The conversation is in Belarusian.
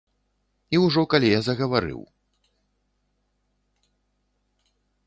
І ўжо калі я загаварыў.